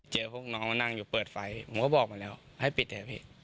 พวกน้องมานั่งอยู่เปิดไฟผมก็บอกมาแล้วให้ปิดเถอะพี่